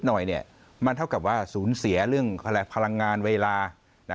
หน่อยเนี่ยมันเท่ากับว่าสูญเสียเรื่องแพลกพลังงานเวลานะ